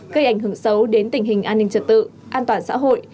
gây ảnh hưởng xấu đến tình hình an ninh trật tự an toàn xã hội